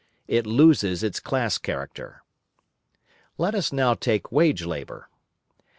It loses its class character. Let us now take wage labour.